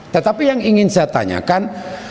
tetapi yang ingin saya tanyakan